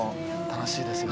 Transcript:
楽しい。